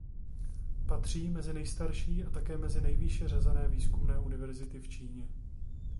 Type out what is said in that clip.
Patří mezi nejstarší a také mezi nejvýše řazené výzkumné univerzity v Číně.